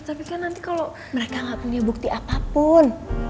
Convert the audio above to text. tapi kan nanti kalo mereka gak punya bukti apapun